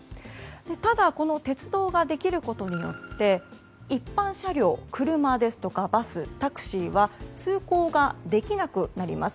ただ、鉄道ができることによって一般車両車ですとかバス、タクシーは通行ができなくなります。